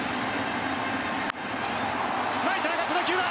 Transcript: ライトへ上がった打球だ！